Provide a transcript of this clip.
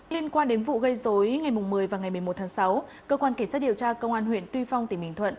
liên quan đến vụ gây dối ngày một mươi và ngày một mươi một tháng sáu cơ quan kỳ sát điều tra công an huyện tuy phong tỉnh bình thuận